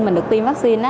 mình được tiêm vaccine á